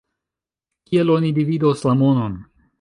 Kiel oni dividos la monon?